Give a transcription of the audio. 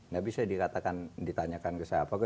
nggak bisa ditanyakan ke siapa